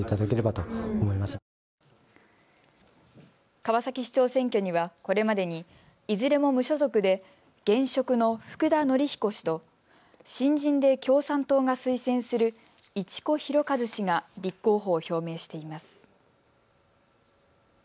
川崎市長選挙には、これまでにいずれも無所属で現職の福田紀彦氏と新人で共産党が推薦する市古博一氏が立候補を表明しています。